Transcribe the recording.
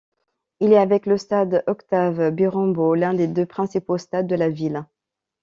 Il est, avec le Stade Octave-Birembaut, l'un des deux principaux stades de la ville.